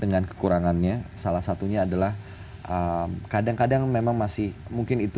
dengan kekurangannya salah satunya adalah kadang kadang memang masih mungkin itu